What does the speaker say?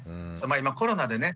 今コロナでね